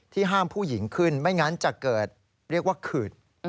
ห้ามผู้หญิงขึ้นไม่งั้นจะเกิดเรียกว่าขืด